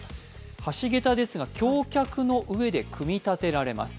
橋桁ですが、橋脚の上で組み立てられます。